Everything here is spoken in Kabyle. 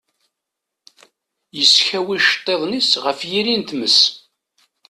yeskaw iceṭṭiḍen-is ɣef yiri n tmes.